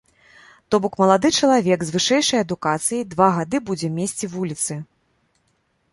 То бок, малады чалавек з вышэйшай адукацыяй два гады будзе месці вуліцы.